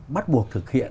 bắt buộc thực hiện